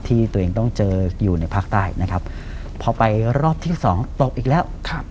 ที่ตัวเองต้องเจออยู่ในภาคใต้นะครับพอไปรอบที่สองตกอีกแล้ว